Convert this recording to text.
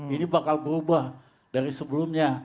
ini bakal berubah dari sebelumnya